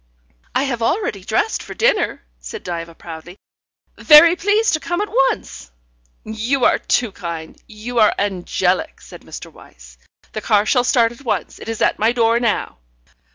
"I have already dressed for dinner," said Diva proudly. "Very pleased to come at once." "You are too kind; you are angelic," said Mr. Wyse. "The car shall start at once; it is at my door now."